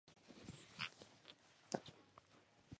La canción es uno de los más aclamados por la crítica de su álbum.